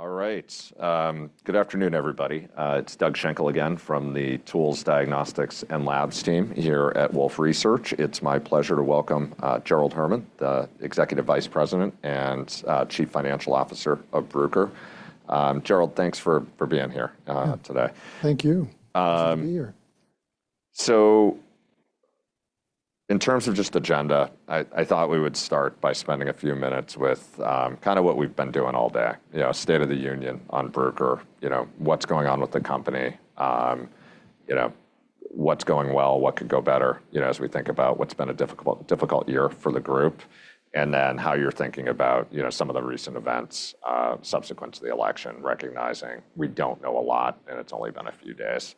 All right. Good afternoon, everybody. It's Doug Schenkel again from the Tools, Diagnostics, and Labs team here at Wolfe Research. It's my pleasure to welcome Gerald Herman, the Executive Vice President and Chief Financial Officer of Bruker. Gerald, thanks for being here today. Thank you. Good to be here. So, in terms of just agenda, I thought we would start by spending a few minutes with kind of what we've been doing all day: state of the union on Bruker, what's going on with the company, what's going well, what could go better as we think about what's been a difficult year for the group, and then how you're thinking about some of the recent events subsequent to the election, recognizing we don't know a lot, and it's only been a few days.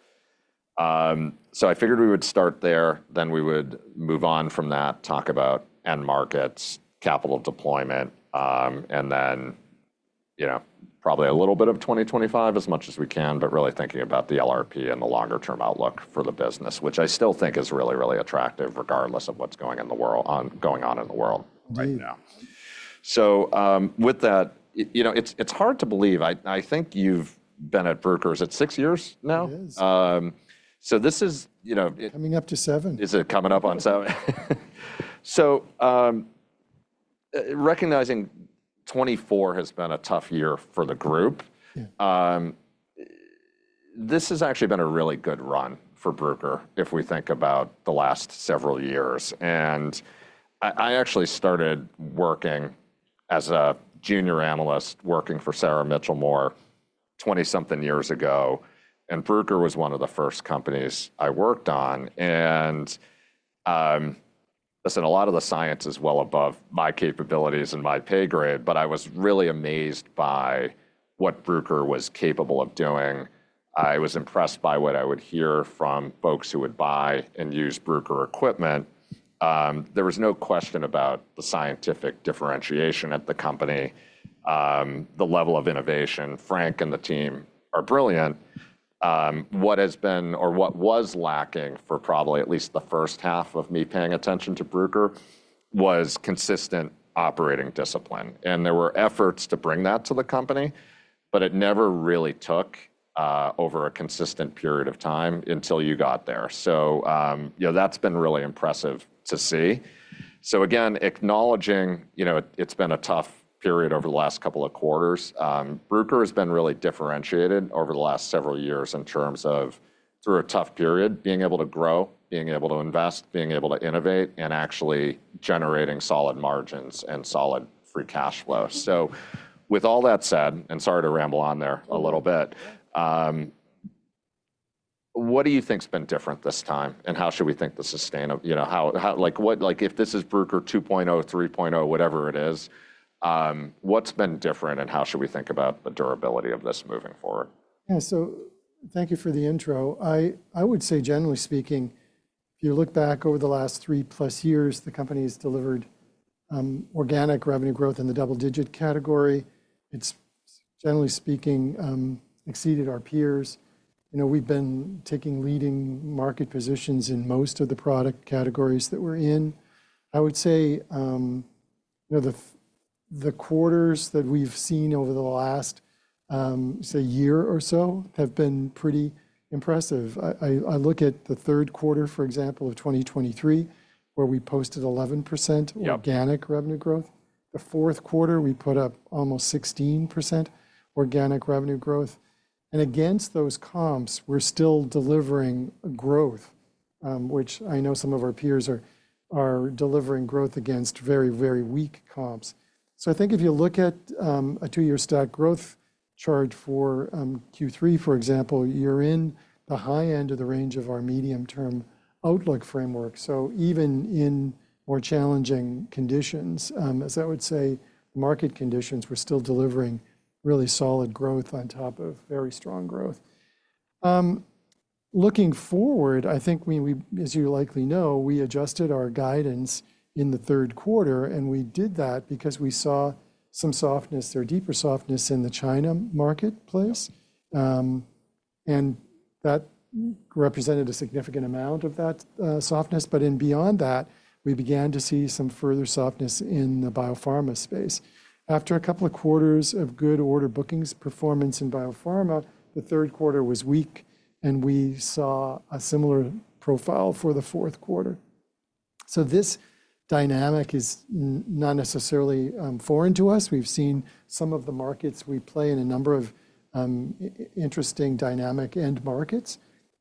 So I figured we would start there, then we would move on from that, talk about end markets, capital deployment, and then probably a little bit of 2025 as much as we can, but really thinking about the LRP and the longer-term outlook for the business, which I still think is really, really attractive regardless of what's going on in the world right now. So with that, it's hard to believe. I think you've been at Bruker, is it six years now? It is. This is. Coming up to seven. Is it coming up on seven? So recognizing 2024 has been a tough year for the group, this has actually been a really good run for Bruker if we think about the last several years. And I actually started working as a junior analyst working for Sarah Mitchell Moore 20-something years ago, and Bruker was one of the first companies I worked on. And listen, a lot of the science is well above my capabilities and my pay grade, but I was really amazed by what Bruker was capable of doing. I was impressed by what I would hear from folks who would buy and use Bruker equipment. There was no question about the scientific differentiation at the company, the level of innovation. Frank and the team are brilliant. What has been or what was lacking for probably at least the first half of me paying attention to Bruker was consistent operating discipline. And there were efforts to bring that to the company, but it never really took over a consistent period of time until you got there. So that's been really impressive to see. So again, acknowledging it's been a tough period over the last couple of quarters, Bruker has been really differentiated over the last several years in terms of, through a tough period, being able to grow, being able to invest, being able to innovate, and actually generating solid margins and solid free cash flow. So with all that said, and sorry to ramble on there a little bit, what do you think has been different this time, and how should we think this is sustainable? If this is Bruker 2.0, 3.0, whatever it is, what's been different, and how should we think about the durability of this moving forward? Yeah, so thank you for the intro. I would say, generally speaking, if you look back over the last 3+ years, the company has delivered organic revenue growth in the double-digit category. It's, generally speaking, exceeded our peers. We've been taking leading market positions in most of the product categories that we're in. I would say the quarters that we've seen over the last, say, year or so have been pretty impressive. I look at the third quarter, for example, of 2023, where we posted 11% organic revenue growth. The fourth quarter, we put up almost 16% organic revenue growth. And against those comps, we're still delivering growth, which I know some of our peers are delivering growth against very, very weak comps. So I think if you look at a two-year stock growth chart for Q3, for example, you're in the high end of the range of our medium-term outlook framework. So even in more challenging conditions, as I would say, market conditions, we're still delivering really solid growth on top of very strong growth. Looking forward, I think, as you likely know, we adjusted our guidance in the third quarter, and we did that because we saw some softness or deeper softness in the China marketplace. And that represented a significant amount of that softness. But beyond that, we began to see some further softness in the biopharma space. After a couple of quarters of good order bookings performance in biopharma, the third quarter was weak, and we saw a similar profile for the fourth quarter. So this dynamic is not necessarily foreign to us. We've seen some of the markets we play in a number of interesting dynamic end markets.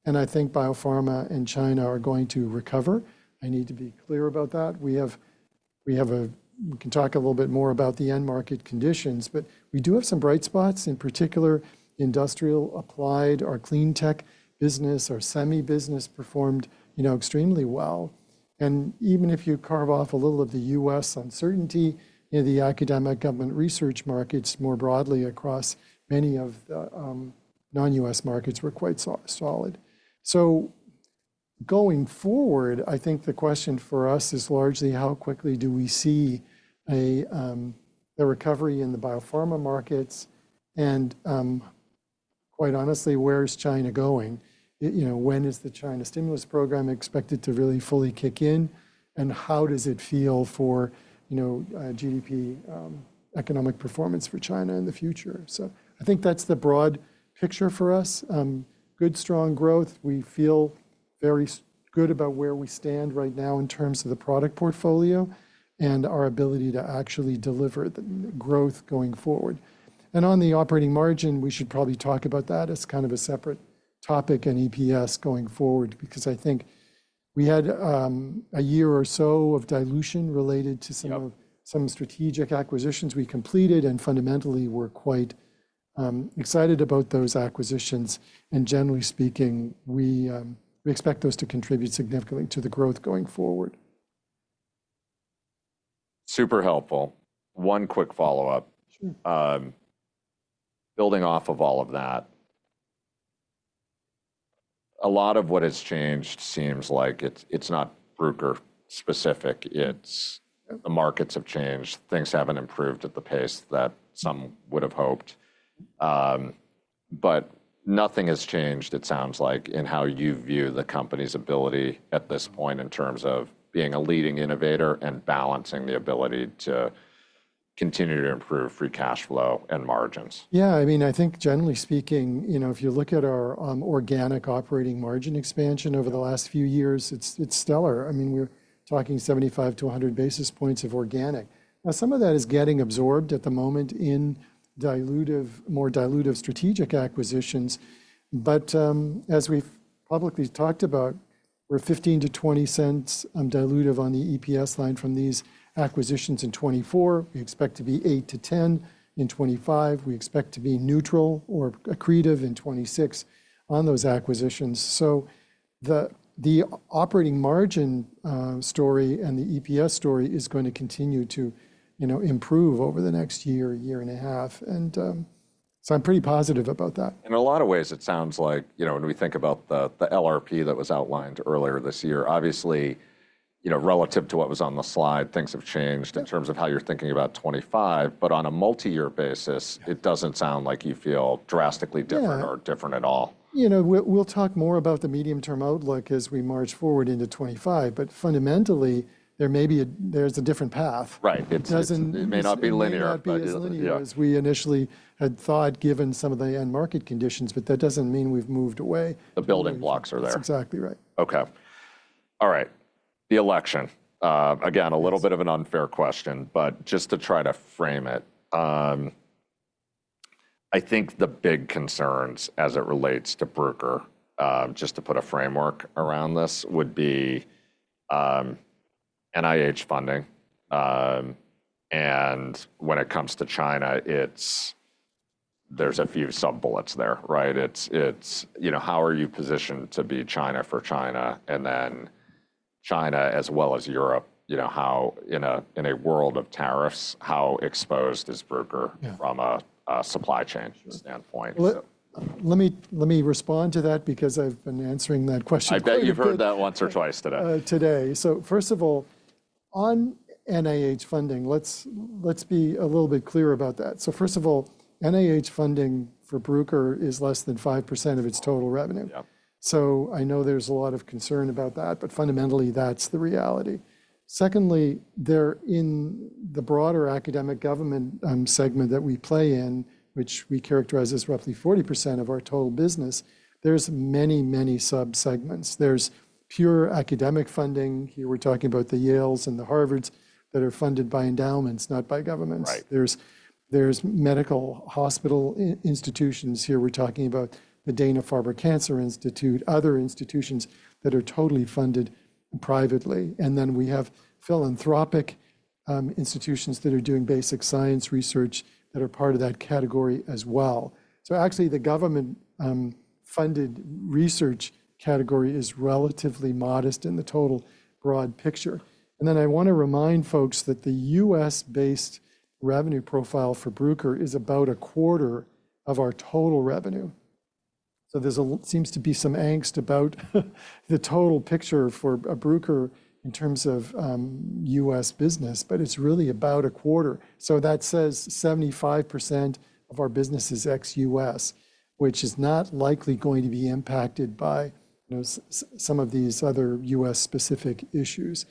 And I think biopharma and China are going to recover. I need to be clear about that. We can talk a little bit more about the end market conditions, but we do have some bright spots, in particular, industrial applied or clean tech business or semi-business performed extremely well. And even if you carve off a little of the U.S. uncertainty, the academic government research markets more broadly across many of the non-U.S. markets were quite solid. So going forward, I think the question for us is largely how quickly do we see a recovery in the biopharma markets? And quite honestly, where is China going? When is the China stimulus program expected to really fully kick in? And how does it feel for GDP economic performance for China in the future? So I think that's the broad picture for us. Good, strong growth. We feel very good about where we stand right now in terms of the product portfolio and our ability to actually deliver the growth going forward. And on the operating margin, we should probably talk about that as kind of a separate topic and EPS going forward because I think we had a year or so of dilution related to some strategic acquisitions we completed and fundamentally were quite excited about those acquisitions. And generally speaking, we expect those to contribute significantly to the growth going forward. Super helpful. One quick follow-up. Building off of all of that, a lot of what has changed seems like it's not Bruker specific. The markets have changed. Things haven't improved at the pace that some would have hoped. But nothing has changed, it sounds like, in how you view the company's ability at this point in terms of being a leading innovator and balancing the ability to continue to improve free cash flow and margins. Yeah. I mean, I think, generally speaking, if you look at our organic operating margin expansion over the last few years, it's stellar. I mean, we're talking 75-100 basis points of organic. Now, some of that is getting absorbed at the moment in more dilutive strategic acquisitions. But as we've publicly talked about, we're $0.15-$0.20 dilutive on the EPS line from these acquisitions in 2024. We expect to be $0.08-$0.10 in 2025. We expect to be neutral or accretive in 2026 on those acquisitions. So the operating margin story and the EPS story is going to continue to improve over the next year, year and a half. And so I'm pretty positive about that. In a lot of ways, it sounds like when we think about the LRP that was outlined earlier this year, obviously, relative to what was on the slide, things have changed in terms of how you're thinking about 2025. But on a multi-year basis, it doesn't sound like you feel drastically different or different at all. We'll talk more about the medium-term outlook as we march forward into 2025. But fundamentally, there may be a different path. Right. It may not be linear, but. It may not be as linear as we initially had thought, given some of the end market conditions, but that doesn't mean we've moved away. The building blocks are there. That's exactly right. Okay. All right. The election. Again, a little bit of an unfair question, but just to try to frame it, I think the big concerns as it relates to Bruker, just to put a framework around this, would be NIH funding. And when it comes to China, there's a few sub-bullets there. Right? How are you positioned to be China for China? And then China, as well as Europe, in a world of tariffs, how exposed is Bruker from a supply chain standpoint? Let me respond to that because I've been answering that question quite a bit. I bet you've heard that once or twice today. Today. So first of all, on NIH funding, let's be a little bit clear about that. So first of all, NIH funding for Bruker is less than 5% of its total revenue. So I know there's a lot of concern about that, but fundamentally, that's the reality. Secondly, therein the broader academic government segment that we play in, which we characterize as roughly 40% of our total business, there's many, many sub-segments. There's pure academic funding. Here we're talking about the Yales and the Harvards that are funded by endowments, not by governments. There's medical hospital institutions. Here we're talking about the Dana-Farber Cancer Institute, other institutions that are totally funded privately. And then we have philanthropic institutions that are doing basic science research that are part of that category as well. So actually, the government-funded research category is relatively modest in the total broad picture. And then I want to remind folks that the U.S.-based revenue profile for Bruker is about a quarter of our total revenue. So there seems to be some angst about the total picture for Bruker in terms of U.S. business, but it's really about a quarter. So that says 75% of our business is ex-U.S., which is not likely going to be impacted by some of these other U.S.-specific issues.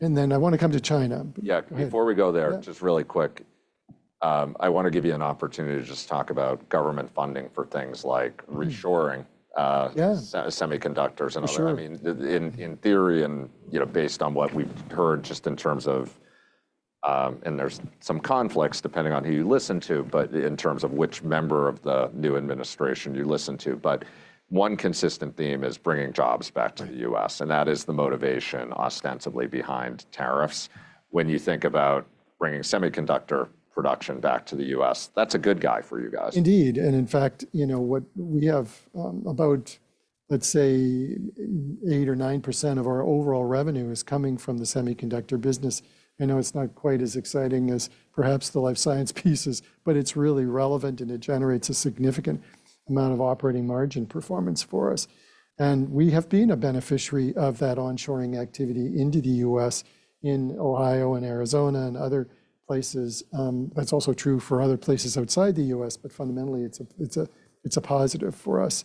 And then I want to come to China. Yeah. Before we go there, just really quick, I want to give you an opportunity to just talk about government funding for things like reshoring semiconductors and other. I mean, in theory, and based on what we've heard just in terms of, and there's some conflicts depending on who you listen to, but in terms of which member of the new administration you listen to. But one consistent theme is bringing jobs back to the U.S. And that is the motivation ostensibly behind tariffs. When you think about bringing semiconductor production back to the U.S., that's a good guy for you guys. Indeed. And in fact, we have about, let's say, 8% or 9% of our overall revenue is coming from the semiconductor business. I know it's not quite as exciting as perhaps the life science pieces, but it's really relevant, and it generates a significant amount of operating margin performance for us. And we have been a beneficiary of that onshoring activity into the U.S. in Ohio and Arizona and other places. That's also true for other places outside the U.S., but fundamentally, it's a positive for us.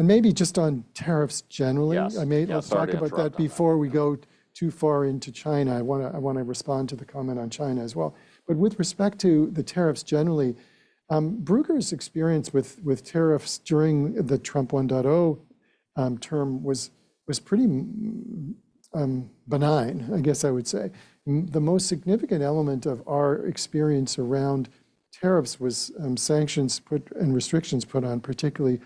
And maybe just on tariffs generally, I may talk about that before we go too far into China. I want to respond to the comment on China as well. But with respect to the tariffs generally, Bruker's experience with tariffs during the Trump 1.0 term was pretty benign, I guess I would say. The most significant element of our experience around tariffs was sanctions and restrictions put on, particularly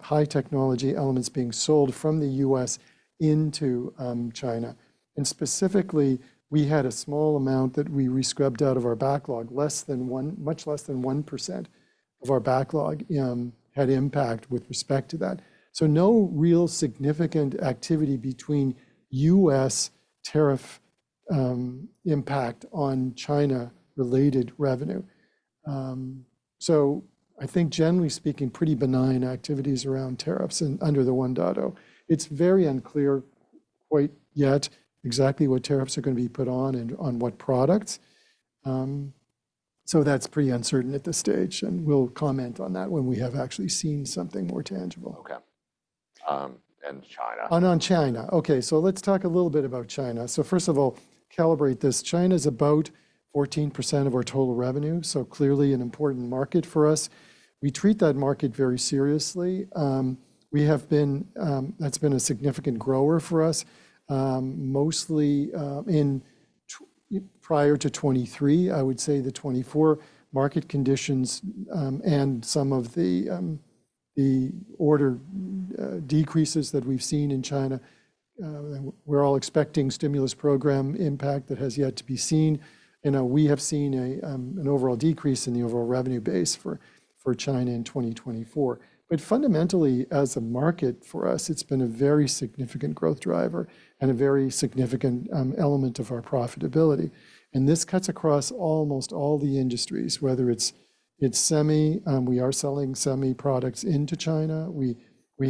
high technology elements being sold from the U.S. into China, and specifically, we had a small amount that we rescrubbed out of our backlog. Less than one, much less than 1% of our backlog had impact with respect to that, so no real significant activity between U.S. tariff impact on China-related revenue. I think, generally speaking, pretty benign activities around tariffs and under the 1.0. It's very unclear quite yet exactly what tariffs are going to be put on and on what products, so that's pretty uncertain at this stage, and we'll comment on that when we have actually seen something more tangible. Okay, and China. On China. Okay. So let's talk a little bit about China. So first of all, calibrate this. China is about 14% of our total revenue, so clearly an important market for us. We treat that market very seriously. That's been a significant grower for us, mostly prior to 2023. I would say the 2024 market conditions and some of the order decreases that we've seen in China. We're all expecting stimulus program impact that has yet to be seen. We have seen an overall decrease in the overall revenue base for China in 2024. But fundamentally, as a market for us, it's been a very significant growth driver and a very significant element of our profitability. And this cuts across almost all the industries, whether it's semi. We are selling semi products into China. We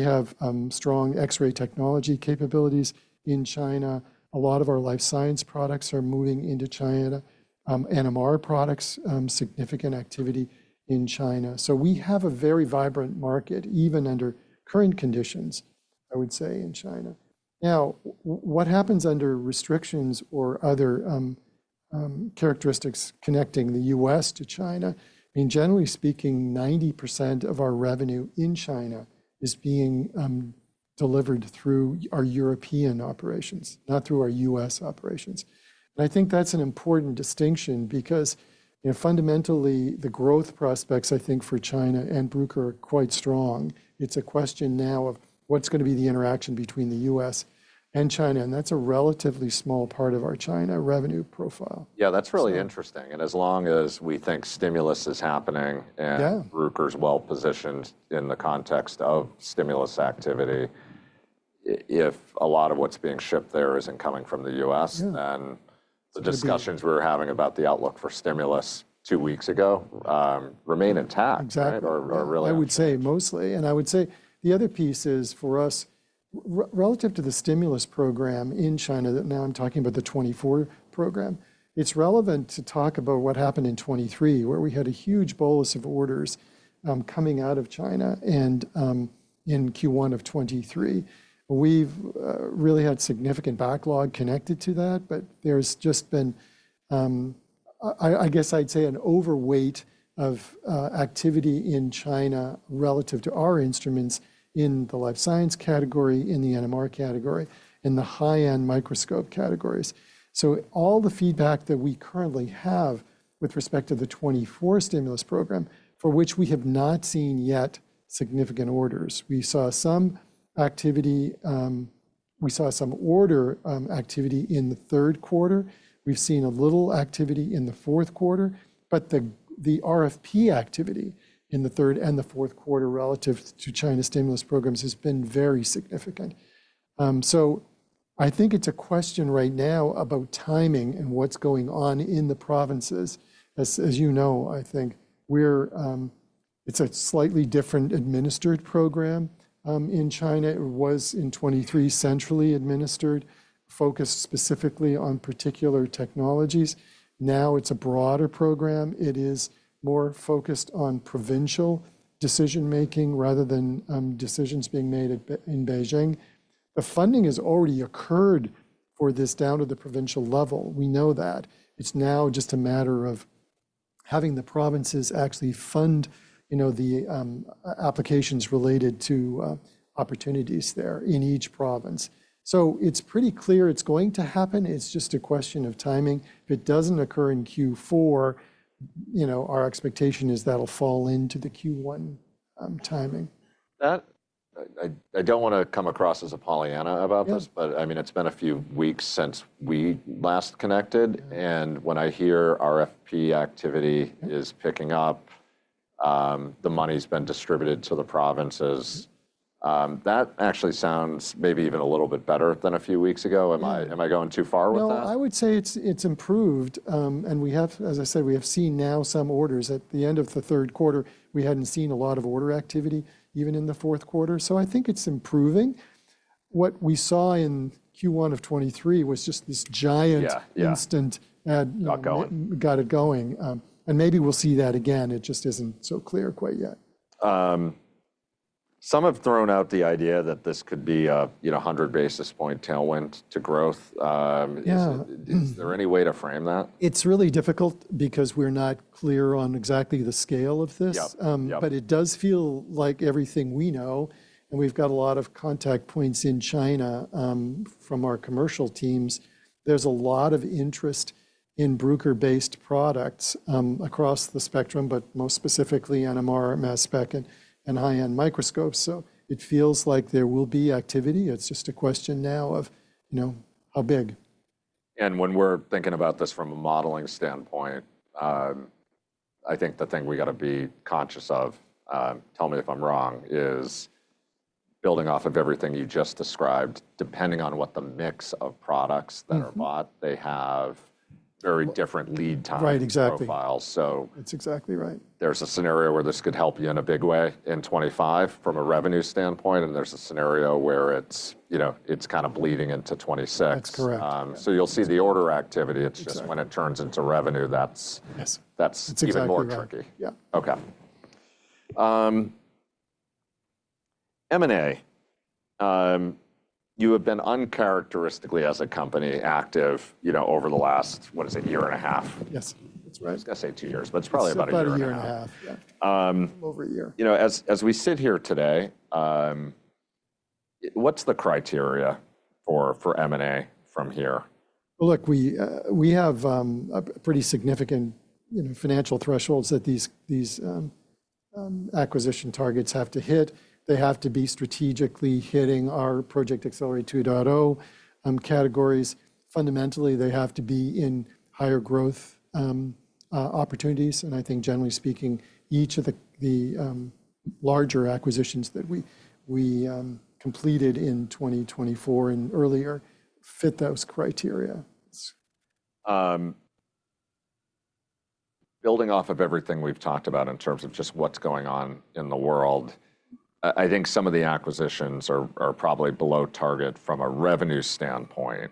have strong X-ray technology capabilities in China. A lot of our life science products are moving into China. NMR products, significant activity in China, so we have a very vibrant market, even under current conditions, I would say, in China. Now, what happens under restrictions or other characteristics connecting the U.S. to China? I mean, generally speaking, 90% of our revenue in China is being delivered through our European operations, not through our U.S. operations, and I think that's an important distinction because fundamentally, the growth prospects, I think, for China and Bruker are quite strong. It's a question now of what's going to be the interaction between the U.S. and China, and that's a relatively small part of our China revenue profile. Yeah, that's really interesting. And as long as we think stimulus is happening and Bruker's well positioned in the context of stimulus activity, if a lot of what's being shipped there isn't coming from the U.S., then the discussions we were having about the outlook for stimulus two weeks ago remain intact. Exactly. I would say mostly. And I would say the other piece is for us, relative to the stimulus program in China, that now I'm talking about the 2024 program, it's relevant to talk about what happened in 2023, where we had a huge bolus of orders coming out of China. And in Q1 of 2023, we've really had significant backlog connected to that. But there's just been, I guess I'd say, an overweight of activity in China relative to our instruments in the life science category, in the NMR category, in the high-end microscope categories. So all the feedback that we currently have with respect to the 2024 stimulus program, for which we have not seen yet significant orders. We saw some activity. We saw some order activity in the third quarter. We've seen a little activity in the fourth quarter. The RFP activity in the third and the fourth quarter relative to China stimulus programs has been very significant. So I think it's a question right now about timing and what's going on in the provinces. As you know, I think it's a slightly different administered program in China. It was in 2023 centrally administered, focused specifically on particular technologies. Now it's a broader program. It is more focused on provincial decision-making rather than decisions being made in Beijing. The funding has already occurred for this down to the provincial level. We know that. It's now just a matter of having the provinces actually fund the applications related to opportunities there in each province. So it's pretty clear it's going to happen. It's just a question of timing. If it doesn't occur in Q4, our expectation is that'll fall into the Q1 timing. I don't want to come across as a Pollyanna about this, but I mean, it's been a few weeks since we last connected, and when I hear RFP activity is picking up, the money's been distributed to the provinces. That actually sounds maybe even a little bit better than a few weeks ago. Am I going too far with that? No, I would say it's improved, and as I said, we have seen now some orders. At the end of the third quarter, we hadn't seen a lot of order activity, even in the fourth quarter, so I think it's improving. What we saw in Q1 of 2023 was just this giant instant ad. Got going. Got it going, and maybe we'll see that again. It just isn't so clear quite yet. Some have thrown out the idea that this could be a 100 basis points tailwind to growth. Is there any way to frame that? It's really difficult because we're not clear on exactly the scale of this. But it does feel like everything we know, and we've got a lot of contact points in China from our commercial teams, there's a lot of interest in Bruker-based products across the spectrum, but most specifically NMR, mass spec, and high-end microscopes. So it feels like there will be activity. It's just a question now of how big. When we're thinking about this from a modeling standpoint, I think the thing we got to be conscious of, tell me if I'm wrong, is building off of everything you just described, depending on what the mix of products that are bought, they have very different lead times profiles. Right. Exactly. So. That's exactly right. There's a scenario where this could help you in a big way in 2025 from a revenue standpoint, and there's a scenario where it's kind of bleeding into 2026. That's correct. So you'll see the order activity. It's just when it turns into revenue, that's even more tricky. Yes. Okay. M&A, you have been uncharacteristically as a company active over the last, what is it, year and a half. Yes. That's right. I was going to say two years, but it's probably about a year and a half. It's about a year and a half. Yeah. Over a year. As we sit here today, what's the criteria for M&A from here? Well, look, we have pretty significant financial thresholds that these acquisition targets have to hit. They have to be strategically hitting our Project Accelerate 2.0 categories. Fundamentally, they have to be in higher growth opportunities. And I think, generally speaking, each of the larger acquisitions that we completed in 2024 and earlier fit those criteria. Building off of everything we've talked about in terms of just what's going on in the world, I think some of the acquisitions are probably below target from a revenue standpoint,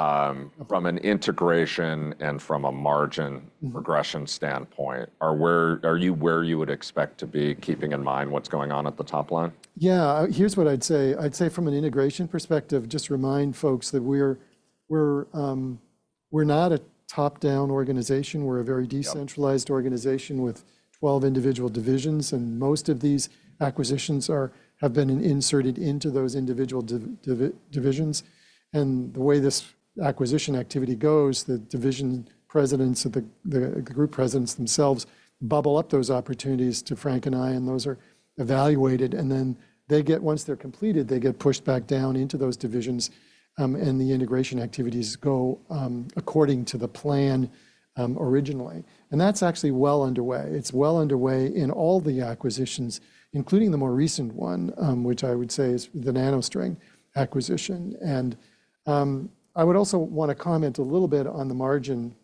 from an integration, and from a margin progression standpoint. Are you where you would expect to be, keeping in mind what's going on at the top line? Yeah. Here's what I'd say. I'd say from an integration perspective, just remind folks that we're not a top-down organization. We're a very decentralized organization with 12 individual divisions, and most of these acquisitions have been inserted into those individual divisions, and the way this acquisition activity goes, the division presidents of the group presidents themselves bubble up those opportunities to Frank and I, and those are evaluated, and then once they're completed, they get pushed back down into those divisions, and the integration activities go according to the plan originally, and that's actually well underway, and it's well underway in all the acquisitions, including the more recent one, which I would say is the NanoString acquisition, and I would also want to comment a little bit on the margin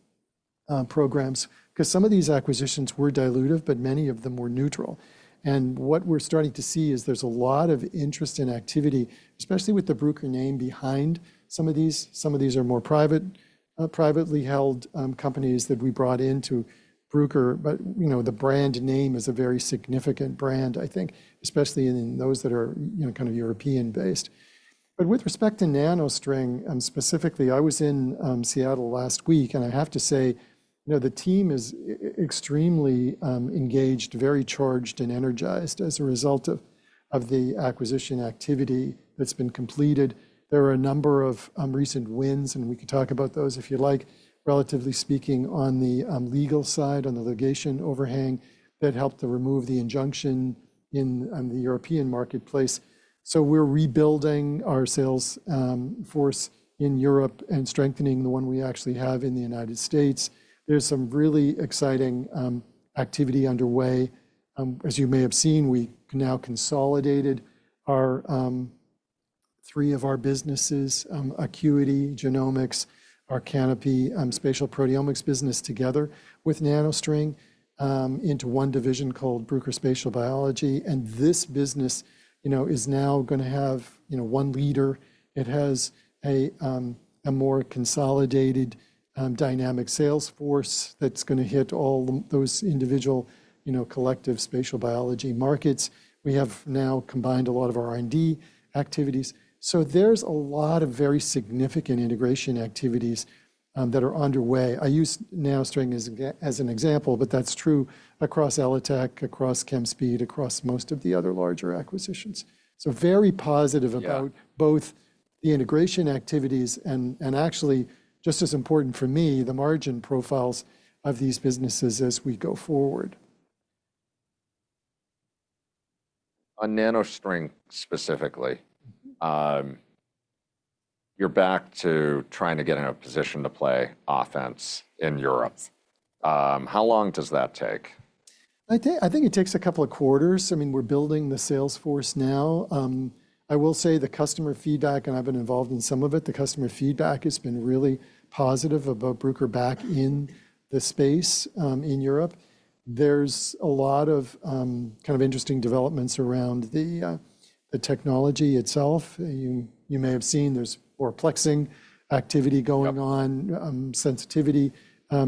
programs because some of these acquisitions were dilutive, but many of them were neutral. What we're starting to see is there's a lot of interest in activity, especially with the Bruker name behind some of these. Some of these are more privately held companies that we brought into Bruker. The brand name is a very significant brand, I think, especially in those that are kind of European-based. With respect to NanoString specifically, I was in Seattle last week, and I have to say the team is extremely engaged, very charged, and energized as a result of the acquisition activity that's been completed. There are a number of recent wins, and we could talk about those if you like, relatively speaking, on the legal side, on the litigation overhang that helped to remove the injunction in the European marketplace. We're rebuilding our sales force in Europe and strengthening the one we actually have in the United States. There's some really exciting activity underway. As you may have seen, we now consolidated three of our businesses, Acuity Genomics, our Canopy spatial proteomics business together with NanoString into one division called Bruker Spatial Biology. And this business is now going to have one leader. It has a more consolidated dynamic sales force that's going to hit all those individual collective spatial biology markets. We have now combined a lot of our R&D activities. So there's a lot of very significant integration activities that are underway. I use NanoString as an example, but that's true across ELITech, across Chemspeed, across most of the other larger acquisitions. So very positive about both the integration activities and actually just as important for me, the margin profiles of these businesses as we go forward. On NanoString specifically, you're back to trying to get in a position to play offense in Europe. How long does that take? I think it takes a couple of quarters. I mean, we're building the sales force now. I will say the customer feedback, and I've been involved in some of it, the customer feedback has been really positive about Bruker back in the space in Europe. There's a lot of kind of interesting developments around the technology itself. You may have seen there's more plexing activity going on, sensitivity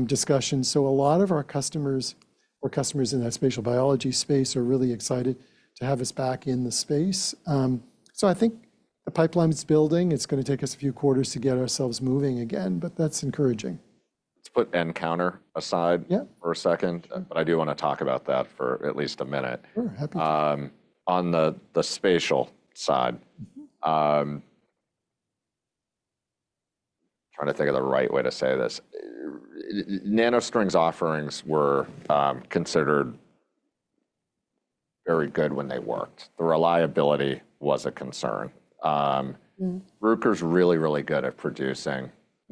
discussions. So a lot of our customers or customers in that spatial biology space are really excited to have us back in the space. So I think the pipeline's building. It's going to take us a few quarters to get ourselves moving again, but that's encouraging. Let's put nCounter aside for a second, but I do want to talk about that for at least a minute. Sure. Happy to. On the spatial side, trying to think of the right way to say this. NanoString's offerings were considered very good when they worked. The reliability was a concern. Bruker's really, really good at producing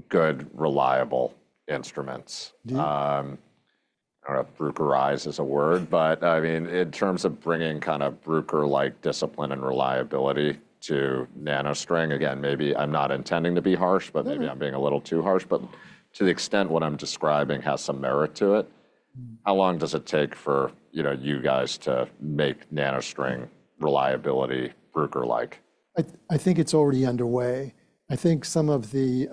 good, reliable instruments. I don't know if Brukerize is a word, but I mean, in terms of bringing kind of Bruker-like discipline and reliability to NanoString, again, maybe I'm not intending to be harsh, but maybe I'm being a little too harsh. But to the extent what I'm describing has some merit to it, how long does it take for you guys to make NanoString reliability Bruker-like? I think it's already underway. I think some of the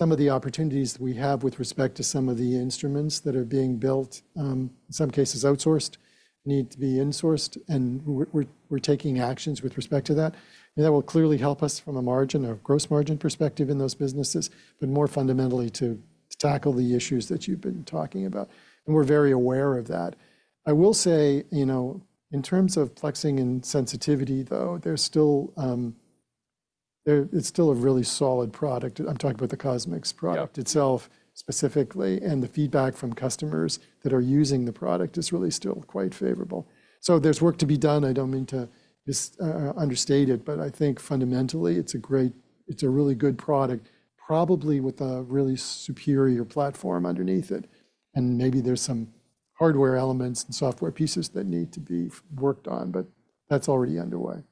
opportunities that we have with respect to some of the instruments that are being built, in some cases outsourced, need to be insourced. And we're taking actions with respect to that. And that will clearly help us from a margin or gross margin perspective in those businesses, but more fundamentally to tackle the issues that you've been talking about. And we're very aware of that. I will say in terms of plexing and sensitivity, though, it's still a really solid product. I'm talking about the CosMx product itself specifically. And the feedback from customers that are using the product is really still quite favorable. So there's work to be done. I don't mean to understate it, but I think fundamentally it's a really good product, probably with a really superior platform underneath it. Maybe there's some hardware elements and software pieces that need to be worked on, but that's already underway.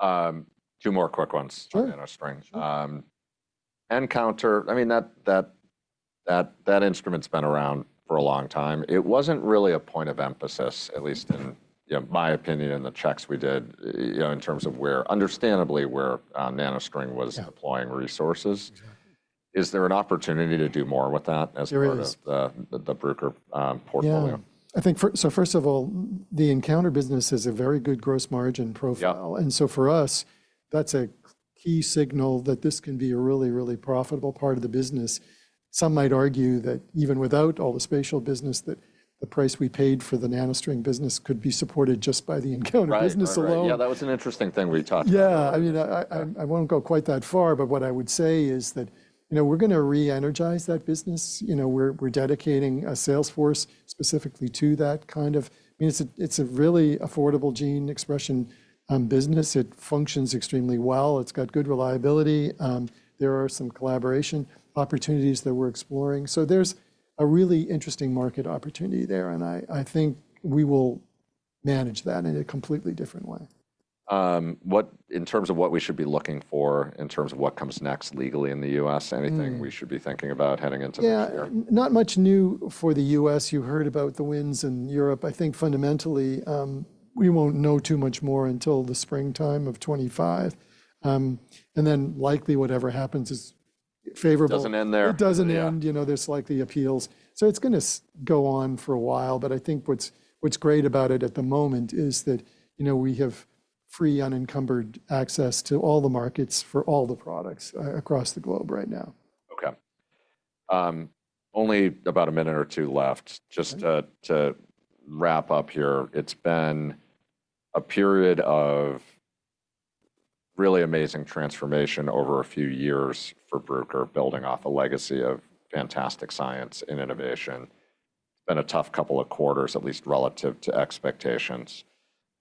Two more quick ones on NanoString. nCounter, I mean, that instrument's been around for a long time. It wasn't really a point of emphasis, at least in my opinion, in the checks we did in terms of understandably where NanoString was deploying resources. Is there an opportunity to do more with that as part of the Bruker portfolio? Yeah. So first of all, the nCounter business has a very good gross margin profile. And so for us, that's a key signal that this can be a really, really profitable part of the business. Some might argue that even without all the spatial business, that the price we paid for the NanoString business could be supported just by the nCounter business alone. Yeah. That was an interesting thing we talked about. Yeah. I mean, I won't go quite that far, but what I would say is that we're going to re-energize that business. We're dedicating a sales force specifically to that kind of, I mean, it's a really affordable gene expression business. It functions extremely well. It's got good reliability. There are some collaboration opportunities that we're exploring. So there's a really interesting market opportunity there. And I think we will manage that in a completely different way. In terms of what we should be looking for in terms of what comes next legally in the U.S., anything we should be thinking about heading into next year? Yeah. Not much new for the U.S. You heard about the wins in Europe. I think fundamentally we won't know too much more until the springtime of 2025, and then likely whatever happens is favorable. It doesn't end there. It doesn't end. There's likely appeals. So it's going to go on for a while. But I think what's great about it at the moment is that we have free unencumbered access to all the markets for all the products across the globe right now. Okay. Only about a minute or two left just to wrap up here. It's been a period of really amazing transformation over a few years for Bruker building off a legacy of fantastic science and innovation. It's been a tough couple of quarters, at least relative to expectations.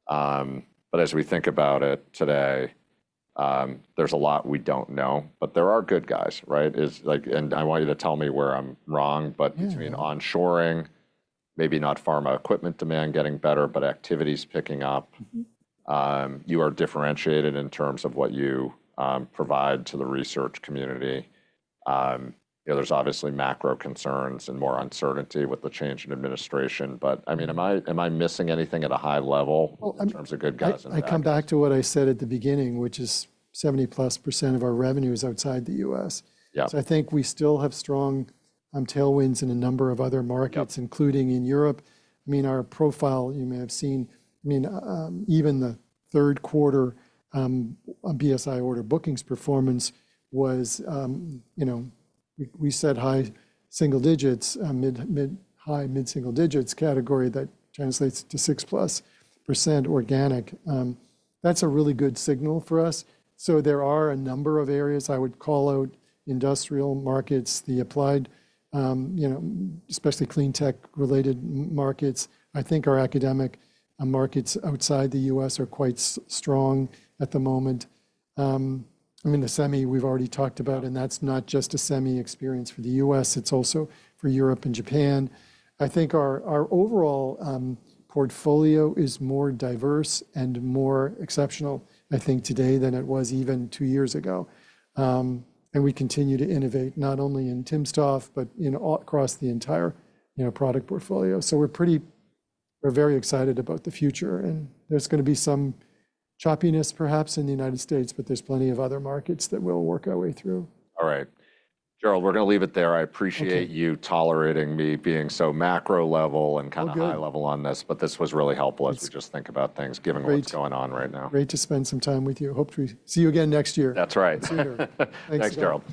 But as we think about it today, there's a lot we don't know, but there are good guys, right? And I want you to tell me where I'm wrong, but between onshoring, maybe not pharma equipment demand getting better, but activities picking up, you are differentiated in terms of what you provide to the research community. There's obviously macro concerns and more uncertainty with the change in administration. But I mean, am I missing anything at a high level in terms of good guys and bad guys? I come back to what I said at the beginning, which is 70%+ of our revenue is outside the U.S. So I think we still have strong tailwinds in a number of other markets, including in Europe. I mean, our profile, you may have seen, I mean, even the third quarter BSI order bookings performance was, we said high single digits, high mid-single digits category that translates to 6%+ organic. That's a really good signal for us. So there are a number of areas I would call out, industrial markets, the applied, especially clean tech related markets. I think our academic markets outside the U.S. are quite strong at the moment. I mean, the semi we've already talked about, and that's not just a semi experience for the U.S. It's also for Europe and Japan. I think our overall portfolio is more diverse and more exceptional, I think, today than it was even two years ago. And we continue to innovate not only in timsTOF, but across the entire product portfolio. So we're very excited about the future. And there's going to be some choppiness perhaps in the United States, but there's plenty of other markets that we'll work our way through. All right. Gerald, we're going to leave it there. I appreciate you tolerating me being so macro level and kind of high level on this, but this was really helpful as we just think about things given what's going on right now. Great to spend some time with you. Hope to see you again next year. That's right. See you. Thanks, Gerald.